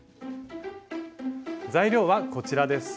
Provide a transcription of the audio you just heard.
材料はこちらです。